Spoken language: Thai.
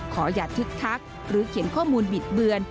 ขออย่าทึกทักหรือเขียนข้อมูลบิดเบือน